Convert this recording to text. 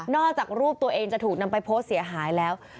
จากรูปตัวเองจะถูกนำไปโพสต์เสียหายแล้ว